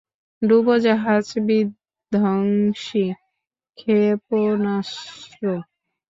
ডুবোজাহাজ-বিধ্বংসী ক্ষেপণাস্ত্র।